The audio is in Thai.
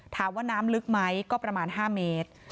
ถามว่าน้ำลึกไหมก็ประมาณ๕เมตร